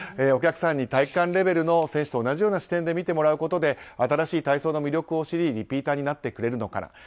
お客さんに体育館レベルの選手と同じような視点で見てもらうことで新しい体操の魅力を知りリピーターになってくれるのかな。